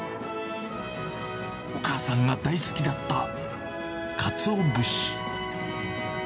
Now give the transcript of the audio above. お母さんが大好きだった、かつお節。